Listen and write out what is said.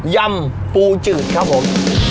ยำปูจืดครับผม